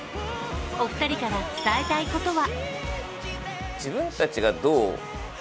お二人から伝えたいことは。